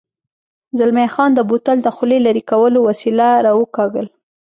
زلمی خان د بوتل د خولې لرې کولو وسیله را وکاږل.